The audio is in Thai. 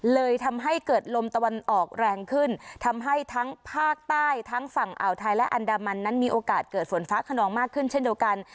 เลยทำให้เกิดลมตะวันออกแรงขึ้นทำให้ทั้งภาคใต้ทั้งฝั่งอ่าวไทยและอันดามันนั้นมีโอกาสเกิดฝนฟ้าขนองมากขึ้นเช่นเดียวกัน